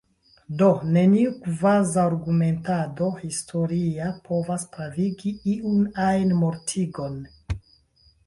Do, neniu kvazaŭargumentado historia povas pravigi iun ajn mortigon.